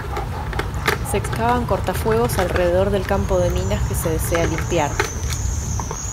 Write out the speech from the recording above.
Se excavan cortafuegos alrededor del campo de minas que se desea limpiar.